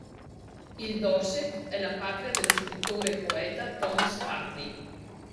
Il Dorset è la patria dello scrittore e poeta Thomas Hardy.